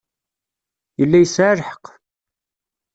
Yella yesɛa lḥeqq.